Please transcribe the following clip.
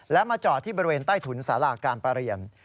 และมาจอดที่บริเวณใต้ถุนสาราการประเรียน